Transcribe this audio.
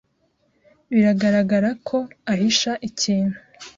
biragaragara ko ahisha ikintu.